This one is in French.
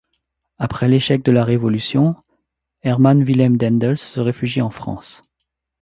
Après l'échec de la Révolution, Herman Willem Daendels se réfugie en France.